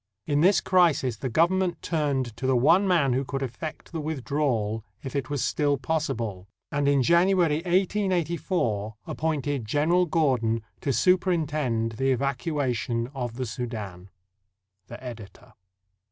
In this crisis the Government turned to the one man who could effect the withdrawal if it was still pos sible, and in January, 1884, appointed General Gordon to superintend the evacuation of the Soudan. The Editor.